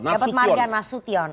dapat marga nasution